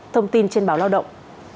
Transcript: thông tin trên báo lao động